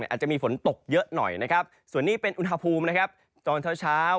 อาจจะมีฝนตกเยอะหน่อยส่วนนี้เป็นอุณหภูมิตอนเท้าเช้า